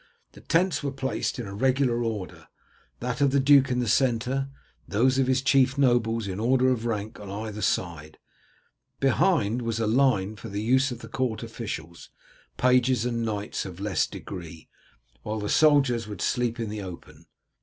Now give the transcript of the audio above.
The tents were placed in regular order, that of the duke in the centre, those of his chief nobles in order of rank on either side. Behind was a line for the use of the court officials, pages, and knights of less degree, while the soldiers would sleep in the open.